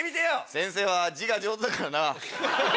先生は字が上手だからな。